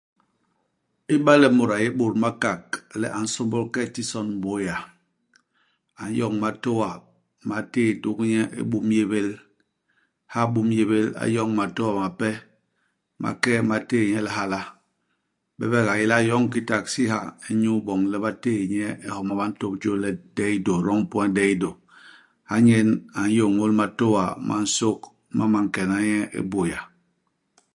Iba le mut a yé i Bôt-Makak le a nsômbôl ke i tison Buea, a n'yoñ matôa ma téé ndugi nye i Boumnyébél. Ha i Boumnyébél, a yoñ matôa mape, ma ke'e ma téé nye i Lihala. Bebek a yé le a yoñ ki taxi ha inyu boñ le ba téé nye i homa ba ntôp jôl le Deido, Rond point Deido. Ha nyen a n'yôñôl matôa ma nsôk ma ma nkena nye i Buea.